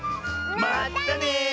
まったね！